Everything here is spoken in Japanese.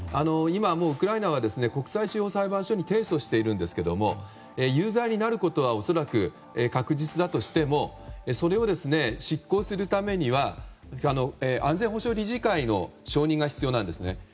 今、ウクライナは国際司法裁判所に提訴しているんですけど有罪になることは恐らく確実だとしてもそれを執行するためには安全保障理事会の承認が必要なんですね。